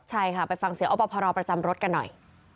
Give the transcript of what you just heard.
ใช่ค่ะไปฟังเสียงอบพรประจำรถกันหน่อย